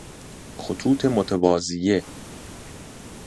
خطوط متوازیه